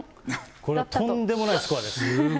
これ、とんでもないスコアです。